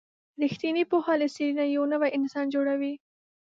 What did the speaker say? رښتینې پوهه له سړي نه یو نوی انسان جوړوي.